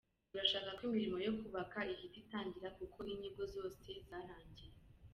Turashaka ko imirimo yo kubaka ihita itangira kuko inyigo zose zarangiye.”